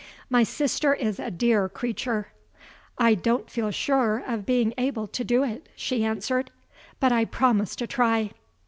My sister is a dear creature. "I don't feel sure of being able to do it," she answered; "but I promise to try."